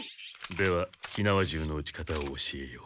では火縄銃のうち方を教えよう。